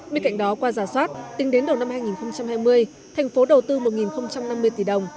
bên cạnh đó qua giả soát tính đến đầu năm hai nghìn hai mươi thành phố đầu tư một năm mươi tỷ đồng